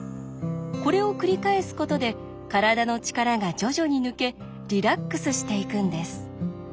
これを繰り返すことで体の力が徐々に抜けリラックスしていくんです。